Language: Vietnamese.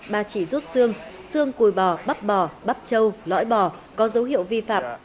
ba chỉ rút xương xương cùi bò bắp bò bắp trâu lõi bò có dấu hiệu vi phạm